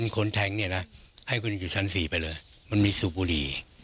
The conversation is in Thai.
คนแทงเนี่ยนะให้คุณอยู่ชั้น๔ไปเลยมันมีสูบบุรี